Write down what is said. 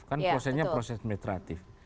kan prosesnya proses administratif